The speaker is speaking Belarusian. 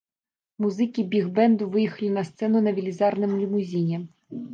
Музыкі біг-бэнду выехалі на сцэну на велізарным лімузіне.